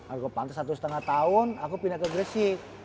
argo pantes satu setengah tahun aku pindah ke gresik